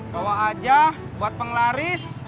bawa aja buat penglaris